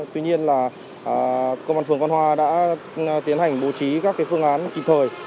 tuy nhiên là công an phường quan hoa đã tiến hành bố trí các phương án kịp thời